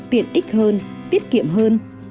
tiện ích hơn tiết kiệm hơn